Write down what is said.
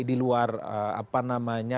diluar apa namanya